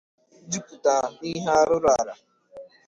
juputa n'ihe arụrụ ala